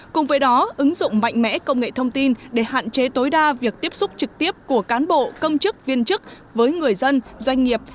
cùng với đó ứng dụng mạnh mẽ công nghệ thông tin để hạn chế tối đa việc tiếp xúc trực tiếp của cán bộ công chức viên chức với người dân doanh nghiệp